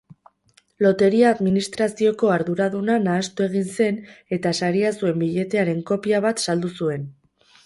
Loteria-administrazioko arduraduna nahastu egin zen eta saria zuen biletearen kopia bat saldu zuen.